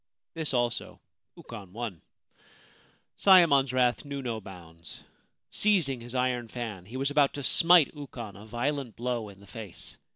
This also Ukon won. Sayemon's wrath knew no bounds. Seizing his iron fan, he was about to smite Ukon a violent blow in the face.